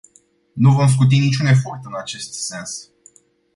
Nu vom scuti niciun efort în acest sens.